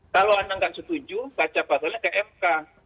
kalau anda nggak setuju baca pasalnya ke mk